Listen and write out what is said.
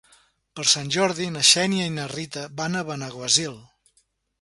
Per Sant Jordi na Xènia i na Rita van a Benaguasil.